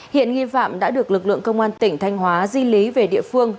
hiện nghi phạm đã được lực lượng công an tỉnh thanh hóa di lý về địa phương